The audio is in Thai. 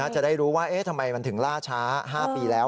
จะได้รู้ว่าทำไมมันถึงล่าช้า๕ปีแล้ว